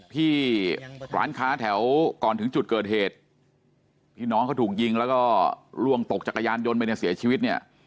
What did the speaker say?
ที่ร้านค้าแถวก่อนถึงจุดเกิดเหตุที่น้องเขาถูกยิงแล้วก็ล่วงตกจักรยานยนต์ไปเนี่ยเสียชีวิตเนี่ย